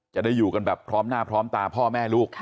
จะได้อยู่กันแบบพร้อมหน้าพร้อมตาพ่อแม่ลูก